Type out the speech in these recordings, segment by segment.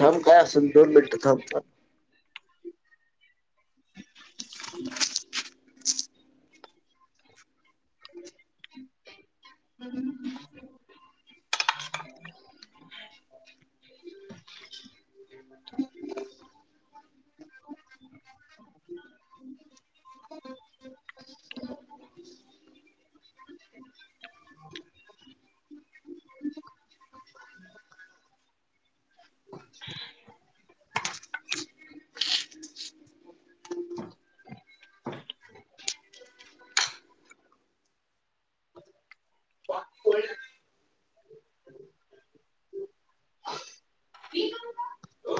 थांब काय असल दोन मिनटं थांब [inaudible] हम्म ह [inaudible] बाय ह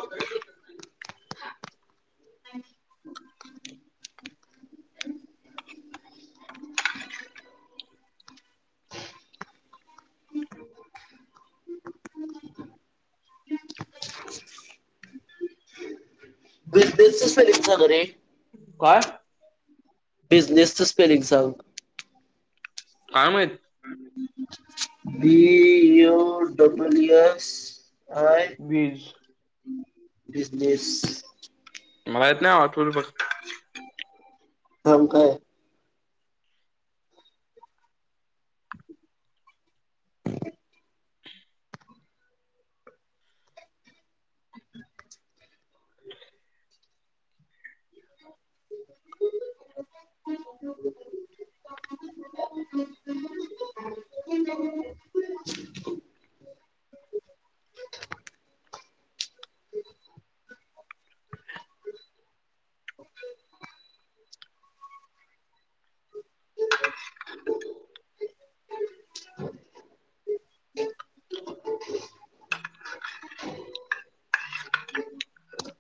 बिझनेसच स्पेलिंग सांगरे काय बिझनेस च स्पेलिंग सांग कायम बी यूडब्ल्यूएस. [unintelligible] अय वीज बिजनेस. मला येत नाही आटोल बघ. मग काय. ् [unintelligible] [unintelligible] [inaudible] [unintelligible]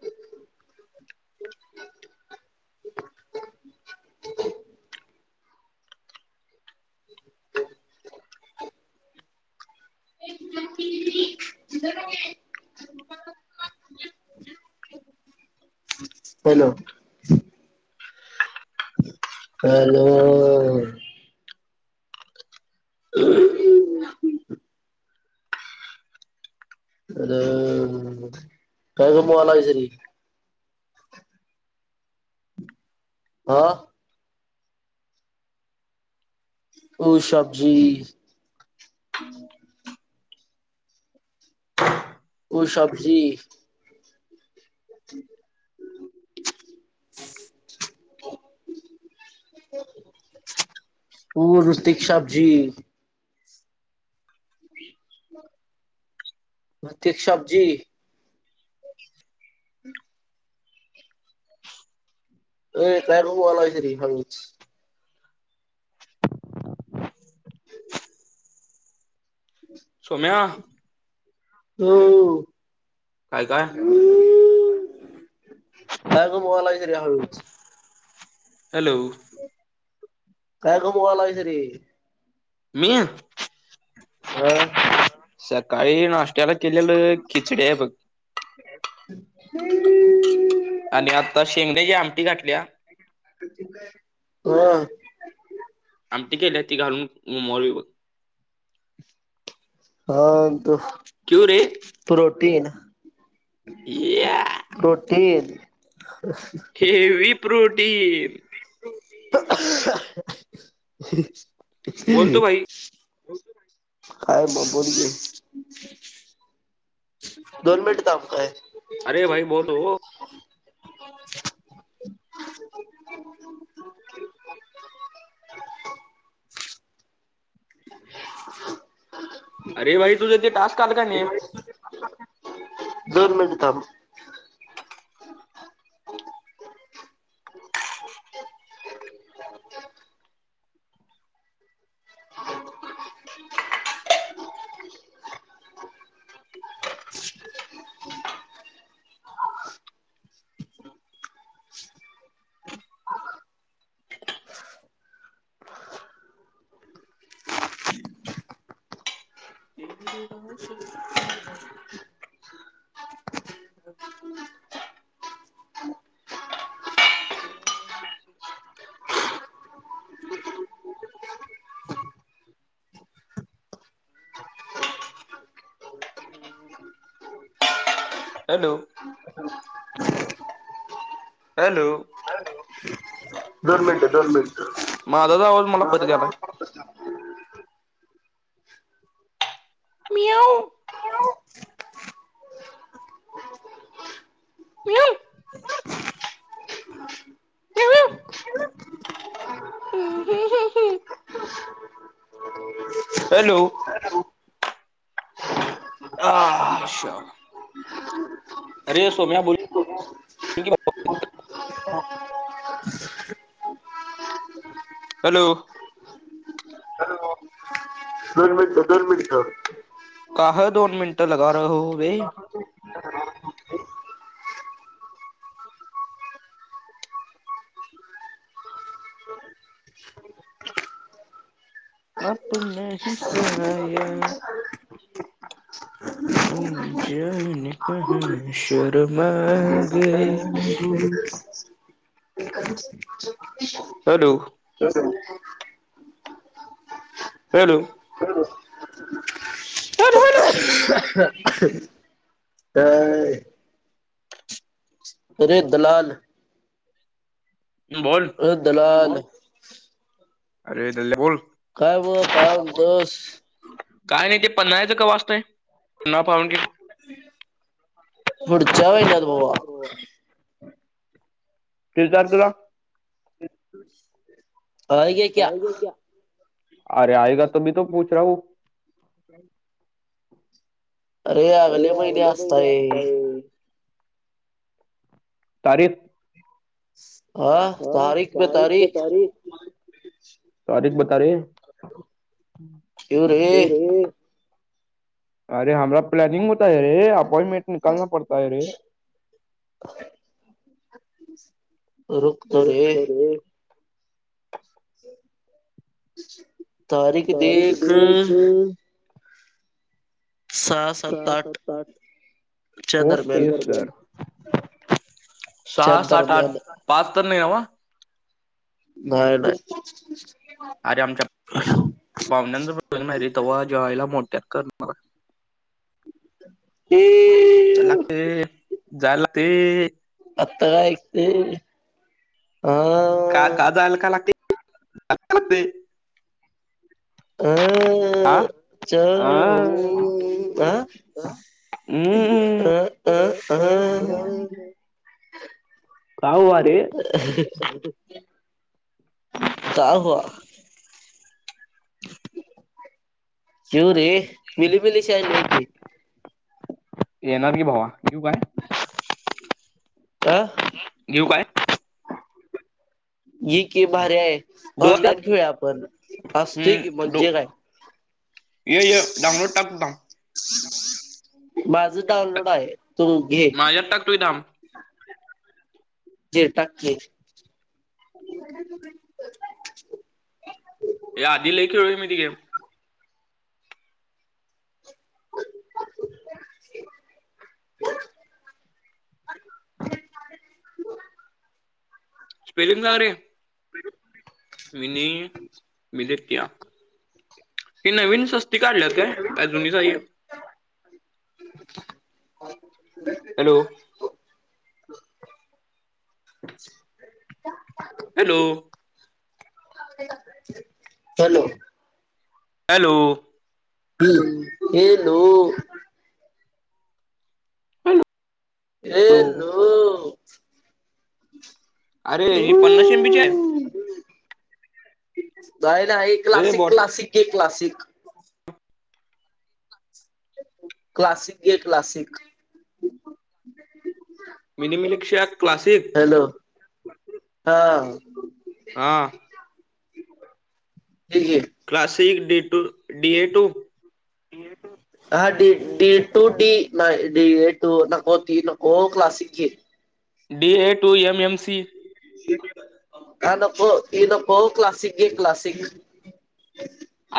[inaudible] [unintelligible] हॅलो. हॅलो. [unintelligible] हॅलो काहीतरी बोला तरी. हा. ओ शाबजी. ओ शाबजी. [inaudible] ओ ऋतिक शाबजी. भतिक शाबजी. [unintelligible] [inaudible] [unintelligible] सोम्या. [unintelligible] काय काय. [unintelligible] हॅलो. काय कमवा [unintelligible] मी. अ. सकाळी नाष्ट्त्याला केलेलं खिचडी आहे बघ. [unintelligible] आणि आता शेंगण्याची आमटी घातलीया. हा. आमट केली ती घालून [unintelligible] हा तो. क्यू रे प्रोटीन या प्रोटीन हेवी प्रोटीन. बोलतो भाई [unintelligible] काय बबर घे. दोन मिनिटं थांब काय. अरे भाई बोलो. अरे भाई तुझं ते टास्क आलं का नाही. दोन मिनिट थांब. [unintelligible] [unintelligible] [unintelligible] [unintelligible] [unintelligible] हॅलो हॅलो दर मिनटं दन मिनट माझाच आवाज मला परत आला मीू म्याव पलू हॅलो अहहा शो अरे सोम्या बोल की. हॅलो दोन मिनट दोन मिनट काह दोन मिनट लग रहो वे मप नाहीसाया अ जाने कहा शरमा गए कच हॅलो तस हॅलो हॅलो छड हॅलो काय रे एरे दलाल बोल हो दलाल अरे डल्ल्या बोल कायब का दोष काय नाही ते पन्हाळ्याचं कवा असतंय ना पाऊण कि बड सवे कत रवा किचार तुला हो ग क्या अरे आयग तुम्ही तो पूछ रह हुँ ह अरे अगले महिने असतय तारीख हा तारीख पे तारीख तारीख बता र येऊ रे तरे अरे हमरा प्लनिंग होताय अ रे अपॉइंटमेंट निकलना पडताय अ रे रुखतो रुक रे तो तारीख देख सहा सात आठ च्या दरम्यान ओके सर चंतरम्यान पात तर नेवा. न्हाय नाय. अरे आमच्या, पाहुण्यांच [unintelligible] नाही र तव्हा जेवायला मोठ्यात करणार ये चल लागते अ, जायला ते अ आत्ता एक ते अं न काल का आज [inaudible] का लागते का लागते. [unintelligible] हॊ आ ओ अ आ चं ह्म म अ अ अह अ काह वाडे का हआ शवरे मिलीबिली शाली की येणार की भावा येऊ काय आ घेऊ काय ही की भार्या आहे डो ऑनलाईन घेऊया आपण असते की हम्म डो म्हणजे काय ये डाऊनलोड टाकत माझ डाउनलोड आहे तू घे माझ्यात टाकतोय थांब ज त हे आधीहीेळय मी ती गेम [inaudible] ह स्पेलिंग सांग रे. [inaudible] विनी विलेक्यान विनत ती काढल्यात काय काय जुनीच आहे. Hello, [inaudible] hello, hello? हॅलो. हम् [unintelligible] हॅलो एल [unintelligible] अरेरे ही पन्नास एमबीची आहे? जायला एक ए बॉट क्लासिक-क्लासिक- के क्लासिक. क्लासिक ये क्लासिक. मिनिमिलिक्शा क्लासिक हॅलो हा, हा, हे घे classic D two, D A to [inaudible] [inaudible] हडीडी ट डी ना डी टू नको त नको क्लासिक घ D A two M M C कानप येनप क्लासिक गे क्लासिक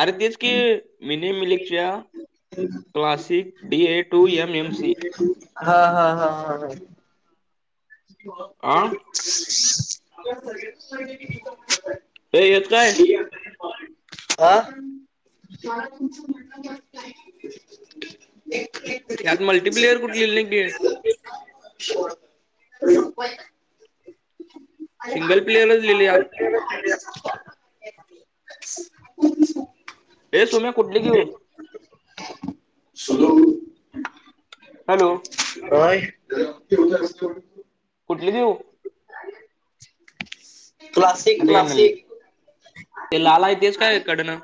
अरे तेच की मी न मिलकची या ते classic D A two M M C हा हा हा हा हा आ [inaudible] हे येत काय आा ुमचं म्हणं [inaudible] [inaudible] यात मल्टीप्लेअर कुठलेली ना नाही गेड [unintelligible] सिंगल प्लेअरच लिले आप हे सुम्या कुठली घेऊ शधू हॅलो? काय? कुठली घेऊ? क्लासिक अरे नली, क्लासिक ते लाल हाय तेच काय कडनं?